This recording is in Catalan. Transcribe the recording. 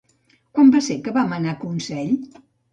Quan va ser que vam anar a Consell?